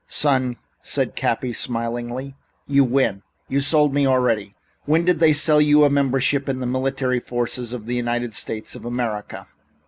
"Son," said Cappy smilingly, "you win. You've sold me already. When did they sell you a membership in the military forces of the United States of America?"